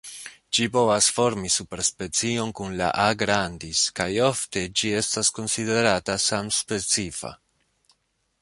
Ĝi povas formi superspecion kun la "A. grandis" kaj ofte ĝi estas konsiderata samspecifa.